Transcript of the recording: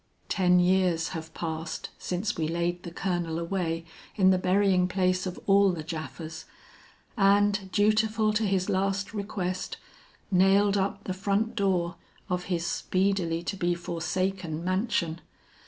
Ten years have passed since we laid the Colonel away in the burying place of all the Japhas, and dutiful to his last request, nailed up the front door of his speedily to be forsaken mansion.